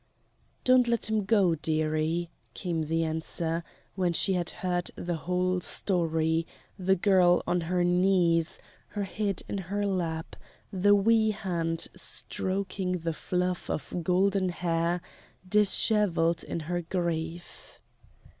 "Don't let him go, dearie," came the answer, when she had heard the whole story, the girl on her knees, her head in her lap, the wee hand stroking the fluff of golden hair dishevelled in her grief.